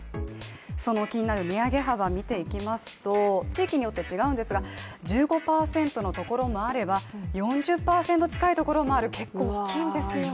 その気になる値上げ幅、見ていきますと地域によって違うんですが、１５％のところもあれば４０％近いところもある結構、大きいんですよね。